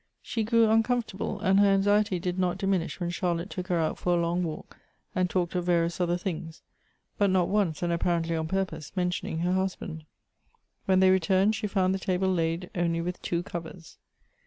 She grew uncomfortable, and her anxiety did not diminish when Charlotte took her out for a long walk, and talked of various other things ; but not once, and apparently on purpose, mentioning her husband. When they returned she found the table laid only with two covers.